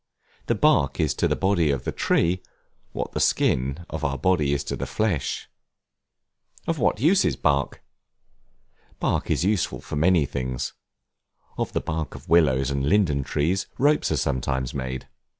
The bark is to the body of a tree, what the skin of our body is to the flesh. Of what use is Bark? Bark is useful for many things: of the bark of willows and linden trees, ropes are sometimes made.